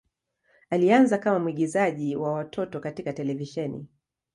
Alianza kama mwigizaji wa watoto katika televisheni.